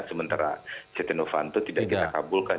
sementara setia novanto tidak kita kabulkan